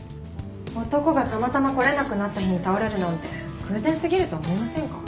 男がたまたま来れなくなった日に倒れるなんて偶然過ぎると思いませんか？